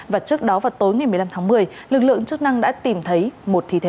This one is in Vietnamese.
và trước đó vào tối ngày một mươi năm tháng một mươi lực lượng chức năng đã tìm thấy một thi thể